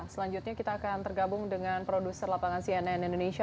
selanjutnya kita akan tergabung dengan produser lapangan cnn indonesia